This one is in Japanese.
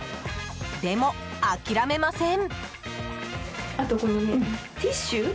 でも、諦めません！